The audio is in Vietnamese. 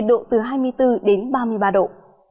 nhiệt độ từ hai mươi bốn đến ba mươi ba độ